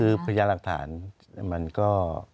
คือพญาหลักฐานมันก็